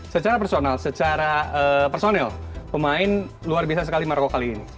secara personal secara personel pemain luar biasa sekali maroko kali ini